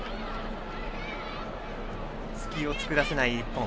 隙を作らせない日本。